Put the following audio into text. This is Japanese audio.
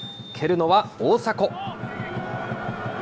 蹴るのは大迫。